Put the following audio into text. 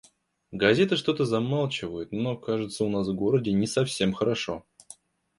Газеты что-то замалчивают, но, кажется, и у нас в городе не совсем хорошо.